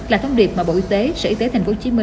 là thông điệp mà bộ y tế sở y tế tp hcm